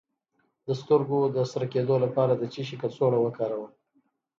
د سترګو د سره کیدو لپاره د څه شي کڅوړه وکاروم؟